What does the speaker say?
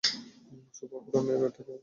শুভ অপরাহ্ন এই রয়টা আবার কে?